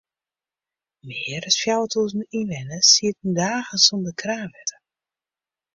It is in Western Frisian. Mear as fjouwertûzen ynwenners sieten dagen sûnder kraanwetter.